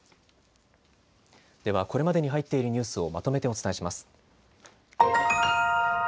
ではこれまでに入っているニュースをまとめてお伝えします。